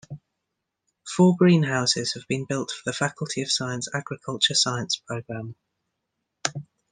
Four greenhouses have been built for the Faculty of Science, Agriculture Science program.